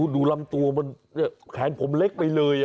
ลำตัวมันแขนผมเล็กไปเลย